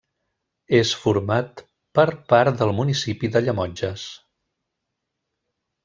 És format per part del municipi de Llemotges.